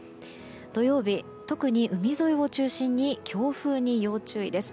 土曜日、特に海沿いを中心に強風に要注意です。